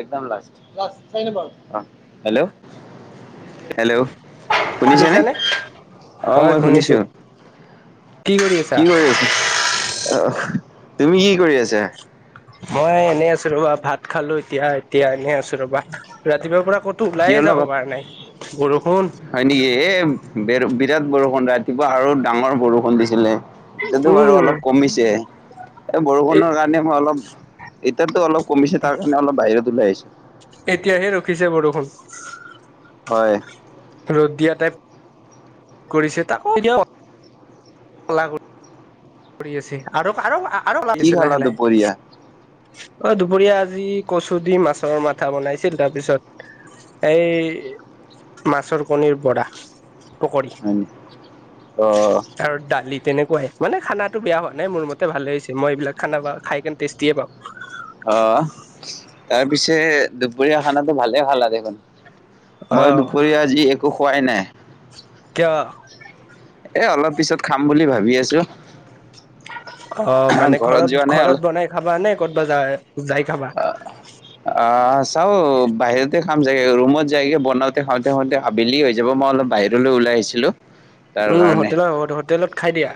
একদম last, last চাৰিনম্বৰ অঁ' হেল্ল'। হেল্ল' শুনিছানে? অঁ মই শুনিছো। কি কৰি কি কৰি আছা। আহ' তুমি কি কৰি আছা? মই এনে আছো, ৰবা ভাত খালো এতিয়া এতিয়া এনেই আছো ৰবা ৰাতিপুৱাৰ পৰা ক'ত তো ওলাইয়ে কিহৰ যাব লগত পৰা নাই, বৰষুণ হয় নেকি, এই বিৰাট বৰষুণ ৰাতিপুৱা আৰু ডাঙৰ বৰষুণ দিছিলে। এতিয়াতো বাৰু উম অলপ কমিছে, এই এ বৰষুণৰ কাৰণে- ে মই অলপ এতিয়াতো অলপ কমিছে তাৰ কাৰণে অলপ বাহিৰত ওলাই আহিছো। এতিয়াহে ৰখিছে বৰষুণ। হয়। ৰ'দ দিয়া টাইপ কৰিছে তাকো এতিয়াও কলা কৰি আছে আৰু আৰু [unintelligible] কি লাগিছে খালা লাহে দুপৰীয়া? লাহে। অঁ' দুপৰীয়া আজি কচু দি মাছৰ মাথা বনাইছিল তাৰ পিছত- এই মাছৰ কণীৰ বৰা। পকৰী অ আৰু দালি তেনেকুৱাই মানে খানা তো বেয়া হোৱা নাই মোৰ মতে ভালে হৈছে, মই এইবিলাক খানা পাওঁ, খাই কেনে টেষ্টিয়ে পাওঁ। অহ' তাৰ পিছে দুপৰীয়া খানাতো ভালে ভালা দেখোন। মই অ', দুপৰীয়া আজি একো খোৱাই নাই। কিয়? এ অলপ পিছত খাম বুলি ভাবি আছোঁ। অঁ' মানে যোৱা ঘৰত নাই অলপ ঘৰত বনাই খাবা নে ক'ৰবাত যায়? অঁ' চাওঁ বাহিৰতে খাম চাগে, ৰুমত যাইকে বনাওঁতে খাওঁতে খাওঁতে আবেলি হৈ যাব, মই অলপ বাহিৰলৈ ওলাই আহিছিলোঁ। উমঁ' হোটেলৰ হোটেলত খাই দিয়া।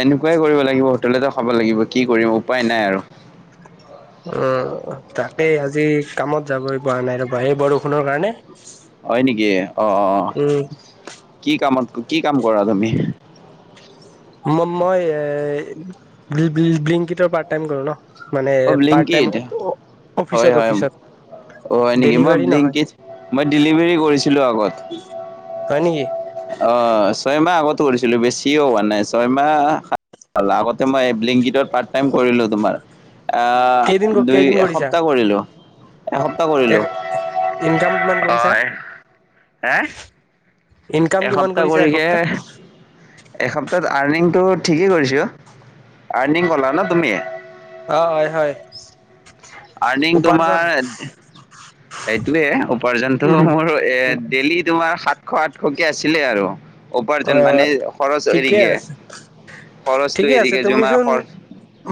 এনেকুৱাই কৰিব লাগিব, হোটেলতে খাব লাগিব কি কৰিম উপায় নাই আৰু। উমঁ' তাকেই আজি কামত যাবই পৰা নাই, ৰবা সেই বৰষুণৰ কাৰণে। হয় নেকি, অঁ' অঁ' উম, কি কামত কি কাম কৰা তুমি? ম মই এ বিংকটৰ পাৰ্ট টাইম কৰো ন'। মানে অ পাৰ্ট টাইম ব্লিংকিত হয় অফিচত হয় অ হয় অফিচত নেকি মই ডেলিভাৰী নহয়। ব্লিংকিত মই ডেলিভাৰী কৰিছিলোঁ আগত। হয় নেকি। অঁ, ছয়মাহ আগতো কৰিছিলো, বেছিও হোৱা নাই ছয় মাহ আগতে মই বিংকিটৰ পাৰ্ট টাইম কৰিলো তোমাৰ। আহ' কেইদিন দুই কেইদিন কৰিছা? এসপ্তাহ কৰিলোঁ। এসপ্তাহ কৰিলো, ইনকাম কিমান কৰিছা? অহ' হে। ইনকাম কিমান এসপ্তাহ কৰিছা কৰিকে এসপ্তাহ? এসপ্তাহত আৰ্নিংটো ঠিকেই কৰিছোঁ, আৰ্নিং ক'লা ন' তুমি? অঁ' হয় হয়। আৰ্নিং উপাৰ্জন তোমাৰ সেইটোয়ে, উপাৰ্জনটো উম, মোৰ এ ডেইলি তোমাৰ সাতশ আঠশকে আছিলে আৰু। উপাৰ্জন অ', মানে খৰচ ঠিকে এৰিকিনে, আছে খৰচটো ঠিকে আছে এৰিকেনে জমাৰ তুমিচোন খৰচ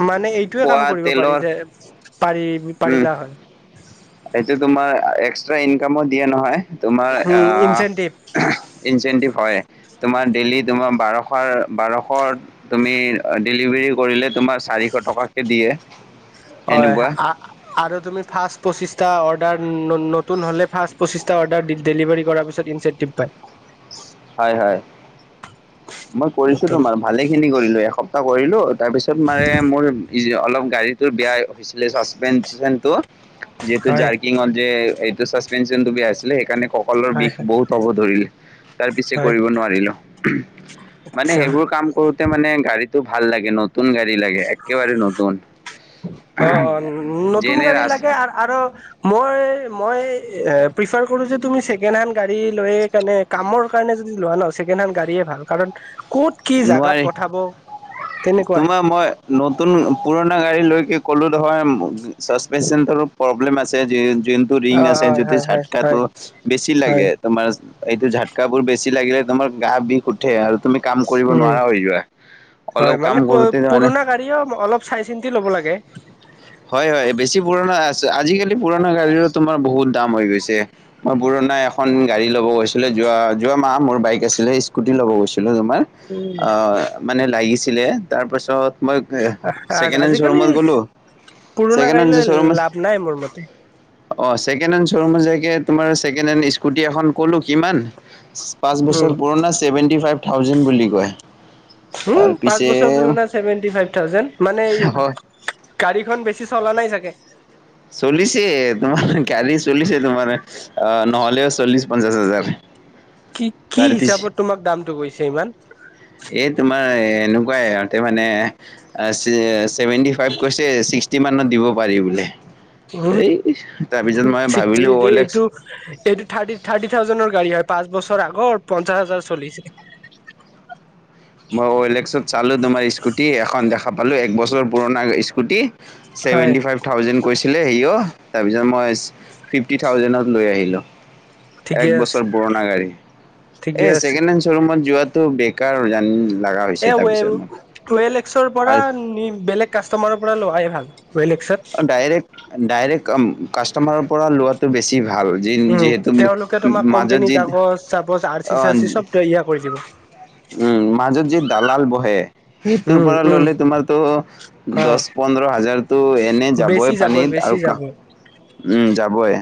মানে এইটোয়ে কাম কৰিব পাৰি যে পাৰি উম পাৰিলা হয়। এইটো তোমাৰ এক্সট্ৰা ইনকামো দিয়ে নহয়, তোমাৰ উম ইনচেন্টিভ আহ' ইনচেণ্টিভ হয়, তোমাৰ ডেইলী তোমাৰ বাৰশৰ-বাৰশৰ তুমি-অ ডেলিভাৰী কৰিলে তোমাৰ চাৰিশ টকাকে দিয়ে। হয়। সেনেকুৱা আ আৰু তুমি ফাৰ্ষ্ট পচিছটা অৰ্ডাৰ ন-ন-নতুন হ'লে, ফাৰ্ষ্ট পঁচিছটা অৰ্ডাৰ ড-ডেলিভাৰী কৰাৰ পিছত ইঞ্চেনটিভ পাই। হয়, হয়। মই কৰিছো নতুন তোমাৰ, ভালে খিনি কৰিলোঁ, এসপ্তাহ কৰিলোঁ। তাৰপিছত মানে মোৰ [unintelligible] অলপ গাড়ীটোৰ বেয়া হৈছিলে ছাচপেনচনটো যিহেতু হয় জাৰকিংতযে এইটো চাচপেনচনটো বেয়া আছিলে, সেইকাৰণে ক কঁকালৰ হয় বিষ বহুত হ'ব ধৰিলে। তাৰ পিছে হয় কৰিব নোৱাৰিলো। মানে আচ্ছা সেইবোৰ কাম কৰোতে মানে গাড়ীটো ভাল লাগে ন'? নতুন গাড়ী লাগে, একেবাৰে নতুন। অ অ [inaudible] নতুন যেনে গাড়ী ৰাচ লাগে আৰু মই-মই-এ প্ৰিফাৰ কৰো যে তুমি ছেকেণ্ড হেণ্ড গাড়ী লৈয়ে কেনে কামৰ কাৰণে যদি লোৱা ন', ছেকেণ্ড হেণ্ড গাড়ীয়ে ভাল কাৰণ ক'ত কি জাগাত নোৱাৰি পঠাব, তেনেকুৱাই। তোমাৰ মই নতুন, পুৰণা গাড়ী লৈকে ক'লো নহয় ম-মু ছাচপেনচন টোৰো প্ৰব্লেম আছে। যিয়ে-যুন ৰিং অ আছে অ যদি হয় হয় হয় ঝাতকাটো বেছি হয় লাগে। তোমাৰ, এইটো ঝাটকা বোৰ বেছি লাগিলে তোমাৰ গাৰ বিষ উঠে আৰু তুমি কাম কৰিব উম, নোৱাৰা হৈ যোৱা। হয়। অলপ কাম মানে কৰোতে মানে প-পুৰণা গাড়ীও ম-অলপ চাই চিন্তি ল'ব লাগে। হয়, হয়, বেছি পুৰণা আচ-আজিকালি পুৰণা গাড়ীৰো তোমাৰ বহুত দাম হৈ গৈছে। মই পুৰণা এখন গাড়ী ল'ব গৈছিলে, যোৱা-যোৱা মাহ মোৰ বাইক আছিলে, স্কুটি ল'ব গৈছিলো তোমাৰ উম আহ মানে লাগিছিলে, তাৰপাছত মই এ-ছেকেণ্ড হেণ্ড আজিকালি শ্ব'ৰুমত গ'লো, পুৰণা ছেকেণ্ড গাড়ী হেণ্ড লৈ শ্ব'ৰুমত ল-লাভ নাই মোৰ মতে। অ, ছেকেণ্ড হেণ্ড শ্ব'ৰুম যাই কিনে, তোমাৰ ছেকেণ্ড হেণ্ড স্কুটি এখন ক'লো কিমান! পাঁচ বছৰ পুৰণা, চেভেন্তি ফাইভ থাউজেণ্ড বুলি কয় তাৰ হুম? পাঁচ পিছে বছৰ পুৰণা ছেভেনটি ফাইভ থাউজেণ্ড? মানে হয় [inaudible] গাড়ীখন বেছি চলা নাই চাগে। চলিছে, তোমাৰ গাড়ী চলিছে তোমাৰ। আ, নহ'লেও চল্লিশ পঞ্চাশ হাজাৰ। কি-কি তাৰপিছ হিচাপত তোমাক দামটো গৈছে ইমান? এই তোমাৰ এনেকুৱাই, ইহঁতে মানে আছ-ই-চেভেণ্টি ফাইভ কৈছে, ছিক্সটি মানত দিব পাৰি বোলে। উম এই, তাৰপিছত মই ভাবিলো অ' এলে এক্স সেইটো থাৰ্টি-থাৰ্টি থাউজেণ্ডৰ গাড়ী হয়, পাঁচ বছৰ আগৰ পঞ্চাশ হাজাৰ চলিছে। মই অ' এল এক্সত চালোঁ তোমাৰ স্কুটি এখন, দেখা পালোঁ এক বছৰৰ পুৰণা স্কুটি হয় চেভেণ্টি ফাইভ থাউজেণ্ড কৈছিলে হি ও, তাৰপিছত মই ফিফটি থাউজেণ্ডত লৈ আহিলোঁ। এক ঠিকে আছে বছৰ পুৰণা গাড়ী। ঠিকে এই আছে ছেকেণ্ড হেনছ ৰুমত যোৱাটো বেকাৰ হয় জানা [unintelligible] এ ৱে-ৱেল এক্সৰ পৰা আৰু নিম বেলেগ কাষ্টমাৰৰ পৰা লোৱাই ভাল, অ' এল এক্সত। ডাইৰেক্ট-ডাইৰেক্ট আম-কাষ্টমাৰৰ পৰা লোৱা বেছি ভাল, উম যিন-যিহেতু তেওঁলোকে তোমাক ম-মাজত কোম্পেনী যি-অ', কাগজ চাগজ আৰ্চি চাৰ্চি চব তৈয়াৰ কৰি দিব উম, মাজত যি দালাল বহে, সেইটোৰ উম পৰা উম ল'লে তোমাৰতো অ দহ পোন্ধৰ হাজাৰতো এনে বেছি যাবই যাব পানীত বেছি আৰু কা যাব উমঁ যাবই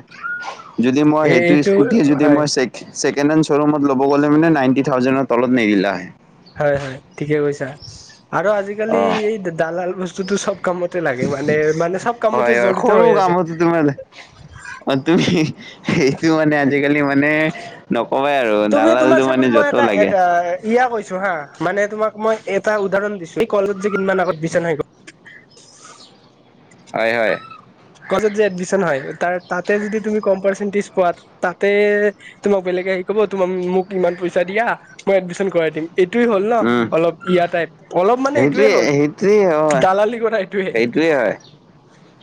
যদি মই এই সেইটো এইটো স্কুটি যদি হয় মই চেক ছেকেনসেণ্ড চৌৰুমত ল'ব গ'লে নাইনটি থাউজেনৰ তলত নিদিলাহে হয়ঁ হয়ঁ ঠিকে কৈছা আৰু আজিকালি অ এই দালাল বস্তুতটো চব কামত লাগে মানে মানে চব কামতে হয় হয় জড়িত সৰু হৈ আছে। কামতো তোমাৰ অ তুমি সেইটো মানে আজিকালি মানে- নকবাই আৰু তুমি তোমাৰ দালডালটো মানে চাপজ মই য'তো লাগে। এটা ইয়া কৈছো হা মানে তোমাক মই এটা উদাহৰণ দিছো এই কলত যে কিমান আগত বিচনা হৈ গ'ল। হয়ঁ হয়ঁ। কলেজত যদি এডমিচন হয় তাতে যদি কম পাৰ্চেন্টেজ পোৱা তাতে তোমাক বেলেগে আহি কব তোমাক মোক ইমান পইচা দিয়া মই এডমিশন কৰাই দিম। এইটোয়ে হ'ল ন উম অলপ ইয়া টাইপ অলপ মানে সেইটোৱে এইটোয়ে হ'ল দালালি কথা এইটোৱে। এইটোৱে হয়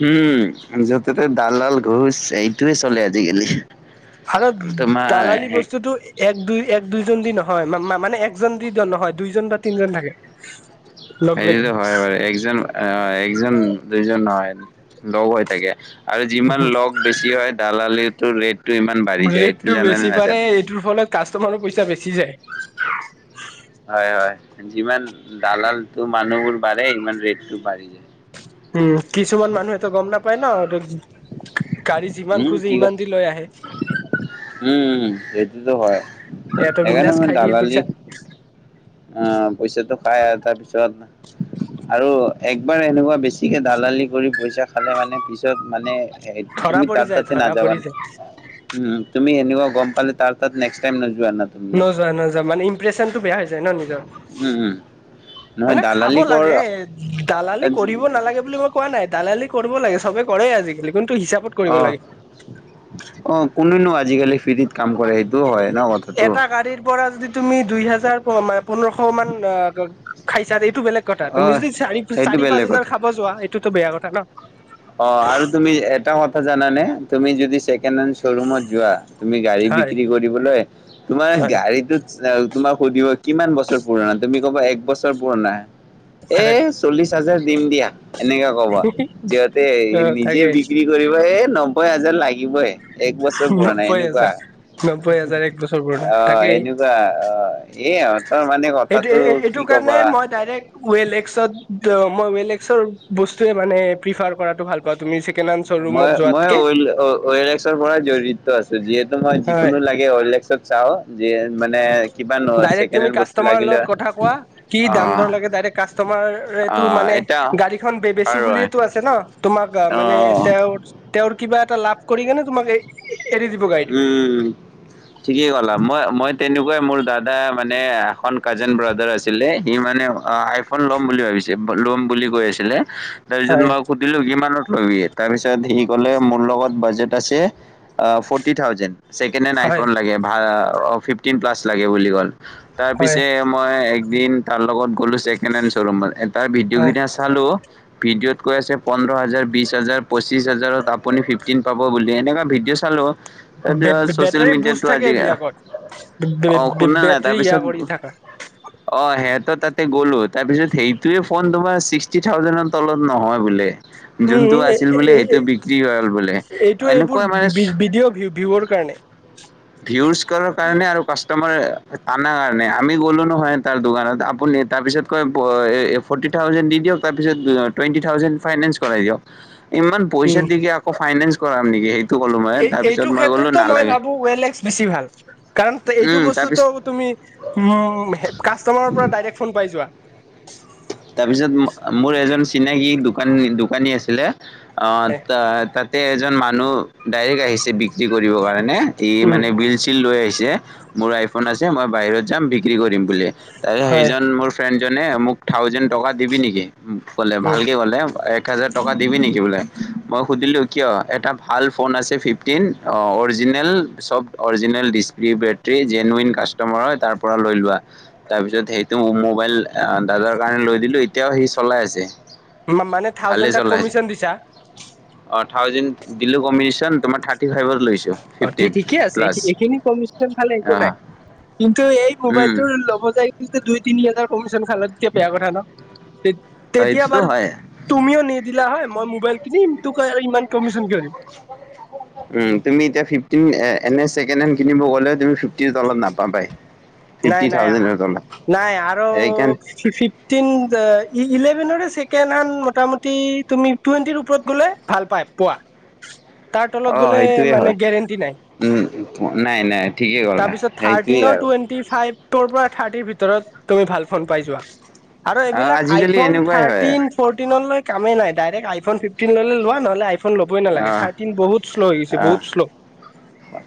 উমঁ যতে ত দালাল ঘোচ এইটোয়ে চলে আজিকালি। ভাৰত তোমাৰ দালালি বস্তুটো। এক দুই, এক দুইজন দি নহয়, মানে একজন দি নহয় দুইজন বা তিনজন থাকে। লগ লাগি সেইটোতো হয় বাৰু, একজন আহ একজন দুজন হয় লগ হৈ থাকে। আৰু যিমান লগ বেছি হয় দালালিটোৰ ৰেটটো ইমান বাঢ়ি যায়, এইটো জানেনে নাজানা। তোৰ ফলত কাষ্টমাৰৰ পইচা বেছি যায়। হয়ঁ হয়ঁ যিমান দালালটো মানুহবোৰ বাঢ়ে, সিমান ৰেটটো বাঢ়ি যায়। উমঁ, কিছুমান মানুহেটো গম নাপায় ন। গাড়ী যিমান খুজি, ইমান দি লৈ আহে। উমঁ উমঁ এইটোতো হয়, ইয়াতো একাৰণে বিন্দাজ মই খাই দিয়ে দালালি পইচা অঁ পইচাটো পাই তাৰপিছত আৰু একবাৰ এনেকুৱা বেছিকে দালালি কৰি পইচা খালে মানে পিছত মানে ধৰা তুমি পৰি তাত যায় ততে ধৰা পৰি নাযাবানা। যায় উমঁ তুমি এনেকুৱা গম পালে তাৰ তাত নেক্স টাই নোযোৱা ন নযোৱা নযোৱা মানে ইম্প্ৰেশচনটো বেয়া হৈ যায় ন নিজৰ উম উম নহয় মানে খাব দালালি কৰ লাগে দালালি কৰিব নালাগে বুলি মই কোৱা নাই দালালি কৰিব লাগে চবে কৰেই আজিকালি কিন্তু হিচাপত কৰিব অহ লাগে অঁ কোনেনো আজিকালি ফ্ৰীত কাম কৰে সেইটো হয় ন কথাটো। এটা গাড়ীৰ পৰা যদি। তুমি দুই হাজাৰ পোন্ধৰশ মান অ খাইছা এইটো বেলেগ। ক'তা, অ তুমি যদি সেইটো চাৰি-চাৰি পাঁচ বেলেগ হাজাৰ কথা খাব যোৱা, এইটোতো বেয়া কথা ন। অঁ আৰু তুমি এটা কথা জানে, তুমি যদি ছেকেণ্ড হেন শ্বৰুমত যোৱা তুমি গাড়ী হয় বিক্ৰী কৰিবলৈ, তোমাৰ হয় গাড়ীতটোত। তোমাক সুধিব কিমান বছৰ পুৰণা, তুমি ক'বা এক বছৰ পুৰণা হয় এচ চল্লিশ হাজাৰ দিম দিয়া, এনেক ক'ব যিহ'তে অ নিজে তাকেই বিক্ৰী এইটো আহিব এই নব্বৈ হাজাৰ লাগিবই। এক বছৰ পুৰনা নব্বৈ এনেকুৱা হাজাৰ নব্বৈ হাজাৰ এক বছৰ পুৰণা অঁ তাকেই এনেকুৱা অঁ। এ আও তাৰমানে কথাটো কি কবা। ৱেলএক্সত, মই ৱেলএক্সৰ বস্তুে মানে প্ৰিফাৰ কৰাটো ভাল। বা তুমি চিকেন আনচ মই-মই ৱেলএক্সত। এইটো পৰা জড়িত আছে, যিহেতু মই হয় যিকোনো লাগে ৱেলএক্সত চাওঁ যে মানে। কিবা ন ডাইৰেক্ট ছেকেণ্ড তুমি হেণ্ড বস্তু কাষ্টমাৰৰ লাগিলে লগত কথা কোৱা, কি অ দাম দৰ লাগে ডাইৰেক্ট অ কাষ্টমাৰটো মানে এটা গাড়ীখন বে বেচো আৰু অ বুলিয়েতো আছে ন, তোমাক মানে তেওঁৰ তেওঁৰ কিবা এটা লাভ কৰি কেনে তোমাক এ- এৰি দি উম। ঠিকে ক'লা মই-মই তেনেকুৱাই মোৰ দাদা মানে এখন কাজিন ব্ৰাদাৰ আছিলে, সি মানে ল'ম বুলি ভাবিছে, লম বুলি কৈ আছিলে, তাৰ পিছত হয় মই শুধিলো কিমানত লবি, তাৰপিছত সি কলে মোৰ লগত বাজেট আছে আছে forty thousand, second hand হয় আইফোন লাগে ভা অ ফিফটিন প্লাছ লাগে বুলি ক'ল। তাৰ হয় পিছে, মই একদিন তাৰ লগত গলো ছেকেণ্ড হেণ্ড শ্বৰুমত এটা ভিডিঅ হয় গিতা চালো ভিডিঅ'ত কৈ আছে পোন্ধৰ হাজাৰ, বিশ হাজাৰ, পঁচিছ হাজাৰত আপুনি ফিফটিন পাব বুলি এনেকুৱা ভিডিঅ' চালো। বে তাৰপিছত বে চচিয়েল বেটাৰী বুজ মিডিয়াতো থাকে আজি, এইবিলাকত বে অ বে শুনানাই বেটাৰী ইয়া কৰি তাৰপিছত থাকা অ সিহঁতৰ তাতে গ'লো, তাৰপিছত সেইটোৱে ফোন তোমাৰ ছিক্সটি থাউজেডৰ তলত নহয় বোলে। যোনটো উম এ আছিল বোলে, সেইটো এ বিক্ৰী হল বোলে, এইটো এইবোৰ এনেকুৱা মানে ভিডিঅ' ভিউৰ কাৰণে [unintelligible] ভিউচ কৰাৰ কাৰণে আৰু কাষ্টমাৰ আনাৰ কাৰণে, আমি গ'লো নহয় তাৰ দোকানত, আপুনি তাৰপিছত কয় ফ'ৰ্টি থাউজেণ্ড দি দিয়ক তাৰপিছত টুৱেণ্টি থাউজেণ্ড ফাইনেন্স কৰাই দিয়ক। ইমান পইচা উম। দি কি আকৌ ফাইনেন্স কৰাম নেকি সেইটো ক'লো মই তিৰপি সেইটো ক্ষেত্ৰতে মই ভাবো ওৱেলেক্স বেছি ভাল। কাৰণ এইটো উম বস্তুটো তাৰপিছত তুমি উম কাষ্টমাৰৰ পৰা ডাইৰেক্ট ফোন পাই যোৱা। তাৰপিছত মোৰ এজন চিনাকি দোকানী- দোকানী আছিলে অ ত তাতে এজন মানুহ ডাইৰেক্ট আহিছে বিক্ৰী কৰিবৰ কাৰ ণে এই উম। মানে বিল চিল লৈ আহিছে মোৰ আইফন আছে মই বাহিৰত যাম বি বিক্ৰী কৰিম বুলি তাৰপিছত হয় সেইজন মোৰ ফ্ৰেণ্ডজনে মোক থাউজেণ্ড টকা দিবি নেকি কলে ভালকে উম ক'লে এক হোজাৰ টকা দিবি নেকি বোলে? মই সুধিলোঁ কিয় এটা ভাল ফোন আছে ফিফটিন অ অৰিজিনেল চব অৰিজিনেল ডিচ বেটৰী জেনুইন কাষ্টমাৰ হয় তাৰ পৰা লৈ লোৱা তাৰ পিছত সেইটো মোবাইল অ দাদাৰ কাৰণে লৈ দিলোঁ এতিয়াও সি চলাই আছে। মানে থাউজেণ্ড তাক কমিশন দিছা? অ, থাউজেড দিলো কম্বিশ্যন তোমাৰ থাৰ্টি ফাইভত লৈছে। অ, ঠি- ঠিকে আছে, এইখিনি কমিশ্যন খালে একো অঁ নাই। কিন্তু এই মোবাইলটো ল'ব যাই দুই তিনি হাজাৰ কমিশন খালে তেতিয়া বেয়া কথা ন, তেতিয়া সেইটোতো বাৰু হয় তুমিও নিদিলা হয়, মই মোবাইল কিনিম, তোক আৰু ইমান কমিশন কিয় দিম। [unintelligible] উম তুমি এতিয়া ফিফটিন এনে ছেকেণ্ড হেণ্ড কিনিব গ'লে তুমি ফিফটিৰ তলত নাপাবাই। ফিফটি নাই নাই থাউজেণ্ডৰ তলত নাই আৰু সেইকাৰণে ফিফটিন ইলেভেন ছেকেণ্ড হেড মোটামুটি তুমি টুৱেণ্টিৰ ওপৰত গ'লে ভাল পায় পোৱা তাৰ তলত গ'লে মানে গেৰেণ্টি নাই। উম নাই নাই ঠিকেই কলা সেইটোৱেই আৰু। থাৰ্টি ফাইভ পৰা থাৰ্টিৰ ভিতৰত তুমি ভাল ফোন পাই যোৱা। আৰু এইবিলাক আজিকালি আইফোন এনেকুৱাই হয় থাৰ্টন ফৰ্তিন লৈ কামেই নাই ডাইৰেক্ট আইফোন ফিফটিন ললে লোৱা নহলে আই ফন ল'বই নালাগে অঁ থাৰ্তিন বহুত শ্ল' হৈ গৈছে অঁ বহুত শ্ল।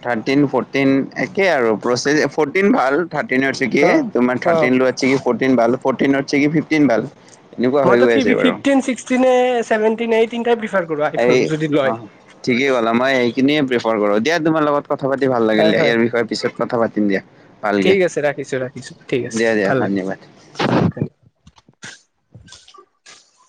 থাৰ্টিন ফৰ্টিন একে আৰু প্ৰচেছ ফ'ৰ্টিন ভাল থাৰ্টিনতছে কি অ তোমাৰ অ থাৰ্টিনত আছে কি ফ'ৰ্টিন ভাল ফ'ৰ্টিনত কি ফিফটিন ভাল। এনেকুৱা হৈ গৈ আছে বাৰু। চেভেণ্টিন এই তি প্ৰিফাৰ কৰা এই অ ঠিকেই ক'লা মই সেইখিনিয়ে প্ৰিফাৰ কৰো দিয়া তোমাৰ লগত কথা পাতি ভাল লাগিল হয় দিয়া হয় ইয়াৰ বিষয়ে পিছত কথা পাতিম দিয়া ভালকে ঠিক আছে ৰাখিছো ৰাখিছো ঠিক আছে দিয়া দিয়া ভাল লাগিল ধন্যবাদ অ